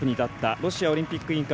ロシアオリンピック委員会